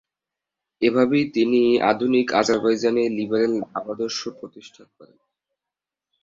এভাবেই তিনি আধুনিক আজারবাইজানে লিবারেল ভাবাদর্শ প্রতিষ্ঠা করেন।